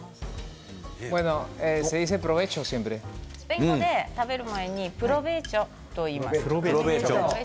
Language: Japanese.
スペイン語で食べる前にプロベーチョと言います。